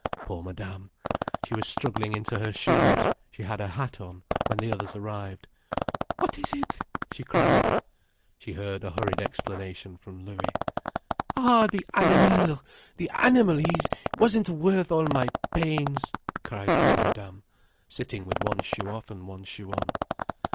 Poor Madame! She was struggling into her shoes, she had her hat on, when the others arrived. "What is it?" she cried. She heard a hurried explanation from Louis. "Ah, the animal, the animal, he wasn't worth all my pains!" cried poor Madame, sitting with one shoe off and one shoe on.